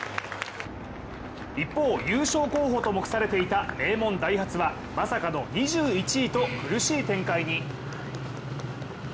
一方、優勝候補と目されていた名門・ダイハツはまさかの２１位と苦しい展開に。